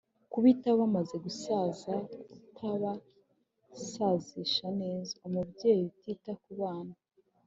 kubitaho bamaze gusaza tukabasazisha neza. umubyeyi utita ku bana